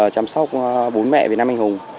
chăm sóc bốn mẹ việt nam anh hùng